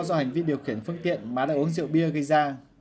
do hành vi điều khiển phương tiện mà đã uống rượu bia gây ra